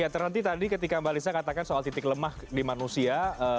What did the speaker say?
ya terhenti tadi ketika mbak lisa katakan soal titik lemah di manusia